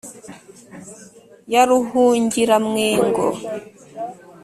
ya ruhungiramwengo :